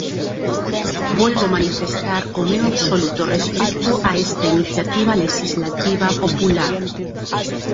Volvo manifestar o meu absoluto respecto a esta iniciativa lexislativa popular.